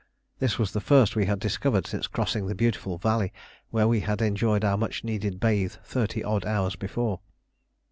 This was the first we had discovered since crossing the beautiful valley where we had enjoyed our much needed bathe thirty odd hours before.